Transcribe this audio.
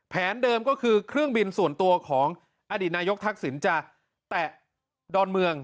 แผนเดิมก็คือเครื่องบินส่วนตัวของอดีตนายกทักษิณจะแตะดอนเมือง